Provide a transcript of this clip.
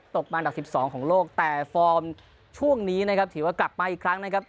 ตกมาอันดับ๑๒ของโลกแต่ฟอร์มช่วงนี้นะครับถือว่ากลับมาอีกครั้งนะครับ